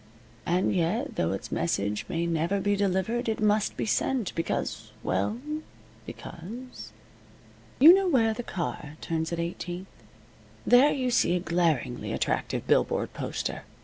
And yet, though its message may never be delivered, it must be sent, because well, because You know where the car turns at Eighteenth? There you see a glaringly attractive billboard poster.